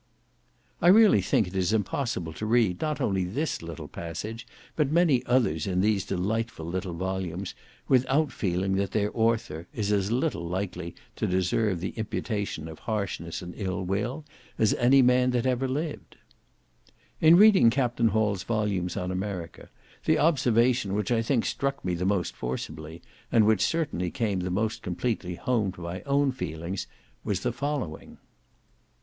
I really think it is impossible to read, not only this passage, but many others in these delightful little volumes, without feeling that their author is as little likely to deserve the imputation of harshness and ill will, as any man that ever lived. In reading Capt. Hall's volumes on America, the observation which, I think, struck me the most forcibly, and which certainly came the most completely home to my own feelings, was the following.